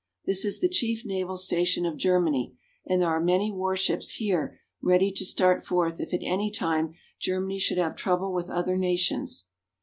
This is the chief naval station of Germany, and there are many war ships here ready to start forth if at any time Germany should have trouble with other nations.